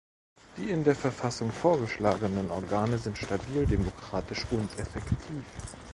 Die in der Verfassung vorgeschlagenen Organe sind stabil, demokratisch und effektiv.